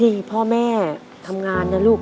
พ่อแม่ทำงานนะลูก